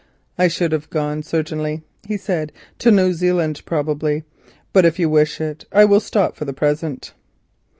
"I should have gone, certainly," he said; "to New Zealand probably, but if you wish it I will stop for the present."